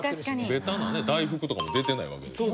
ベタなね大福とかも出てないわけですしね。